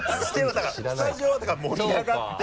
だからスタジオは盛り上がって。